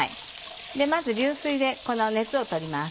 まず流水でこの熱をとります。